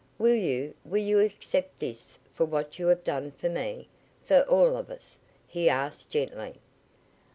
"Will you will you accept this for what you have done for me for all of us?" he asked gently.